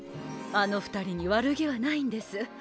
あの２人に悪気はないんです。